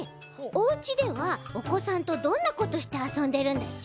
おうちではおこさんとどんなことしてあそんでるんだち？